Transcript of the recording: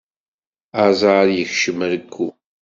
Aẓar yekcem rekku.